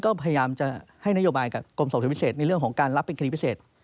ก็พยายามจะให้นโยบายกับกรมสอบส่วนพิเศษในเรื่องของการรับเป็นคดีพิเศษ